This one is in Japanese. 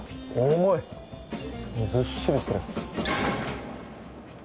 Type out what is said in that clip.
ずっしりしてる。